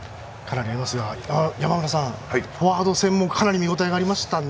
山村さん、フォワード戦もかなり見応えがありましたね。